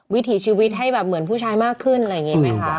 วิถีชีวิตให้แบบเหมือนผู้ชายมากขึ้นอะไรอย่างนี้ไหมคะ